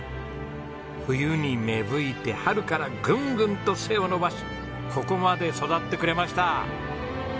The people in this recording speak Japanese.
冬に芽吹いて春からグングンと背を伸ばしここまで育ってくれました。